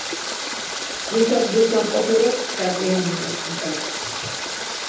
მის ადგილსამყოფელად თრაკია მიაჩნდათ.